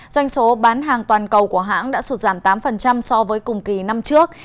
doanh số bán hàng toàn cầu của hãng đã sụt giảm tám so với cùng kỳ năm trước